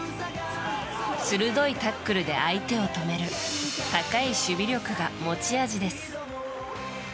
鋭いタックルで相手を止める高い守備力が持ち味です。